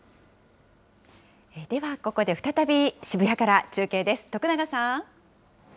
ではここで、再び渋谷から中継です。